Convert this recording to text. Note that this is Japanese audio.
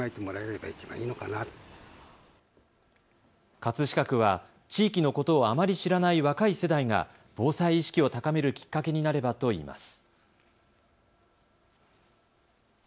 葛飾区は、地域のことをあまり知らない若い世代が防災意識を高めるきっかけになればといいます。